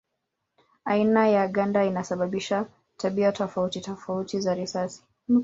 Aina ya ganda inasababisha tabia tofauti tofauti za risasi.